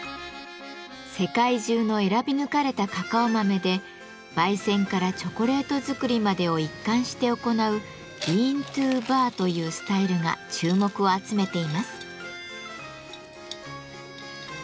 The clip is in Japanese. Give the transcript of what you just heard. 世界中の選び抜かれたカカオ豆で焙煎からチョコレート作りまでを一貫して行う「ビーントゥーバー」というスタイルが注目を集めています。